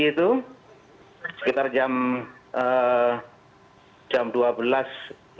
lewat tanggal dua puluh empat sekitar jam dua belas sekitar jam dua belas sekitar jam dua belas